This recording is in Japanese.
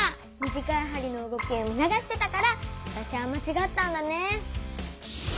短いはりの動きを見のがしてたからわたしはまちがったんだね。